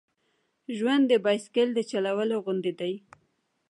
ژوند د بایسکل د چلولو غوندې دی.